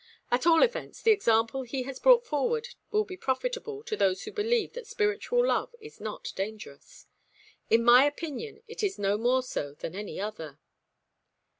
At all events, the example he has brought forward will be profitable to those who believe that spiritual love is not dangerous. In my opinion it is more so than any other."